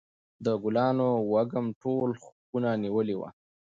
د ګلانو وږم ټوله خونه نیولې وه.